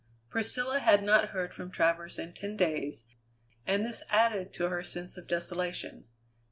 Priscilla had not heard from Travers in ten days, and this added to her sense of desolation.